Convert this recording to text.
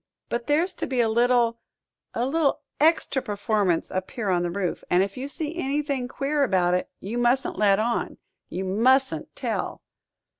But there's to be a little a little extra performance up here on the roof, and if you see anything queer about it, you mustn't let on you mustn't tell."